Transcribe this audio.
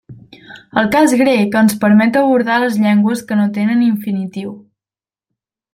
El cas grec ens permet abordar les llengües que no tenen infinitiu.